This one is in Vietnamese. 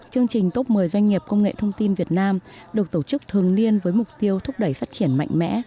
chương trình top một mươi doanh nghiệp công nghệ thông tin việt nam được tổ chức thường niên với mục tiêu thúc đẩy phát triển mạnh mẽ